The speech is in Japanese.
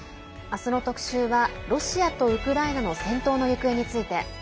あすの特集は、ロシアとウクライナの戦闘の行方について。